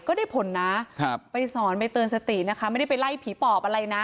ก็ได้ผลนะไปสอนไปเตือนสตินะคะไม่ได้ไปไล่ผีปอบอะไรนะ